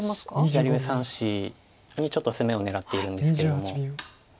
左上３子にちょっと攻めを狙っているんですけれども。